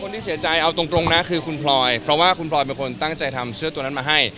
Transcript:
ที่เสียใจเอาตรงนะคือคุณพลอยเพราะว่าคุณพลอยเป็นคนตั้งใจทำเสื้อตัวนั้นมาให้